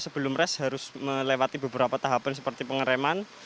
sebelum res harus melewati beberapa tahapan seperti pengereman